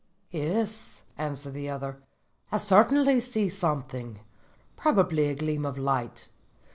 "'Yes,' answered the other, 'I certainly see something. Probably a gleam of light.